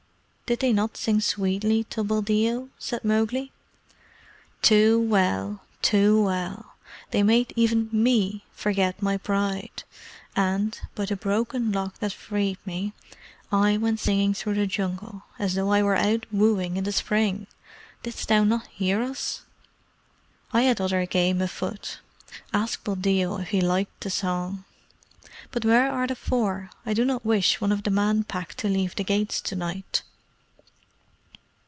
Did they not sing sweetly to Buldeo?" said Mowgli. "Too well! Too well! They made even ME forget my pride, and, by the Broken Lock that freed me, I went singing through the Jungle as though I were out wooing in the spring! Didst thou not hear us?" "I had other game afoot. Ask Buldeo if he liked the song. But where are the Four? I do not wish one of the Man Pack to leave the gates to night."